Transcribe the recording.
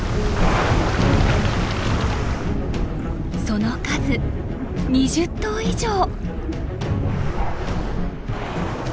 その数２０頭以上！